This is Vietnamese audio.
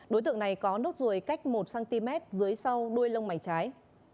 đối tượng này có nốt ruồi cách một cm dưới sau đuôi lông mày trái